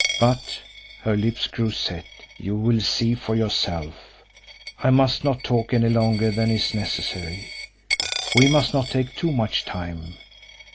But" her lips grew set "you will see for yourself. I must not talk any longer than is necessary; we must not take too much time.